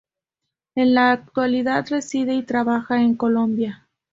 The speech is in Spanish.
En la actualidad reside y trabaja en Colombia.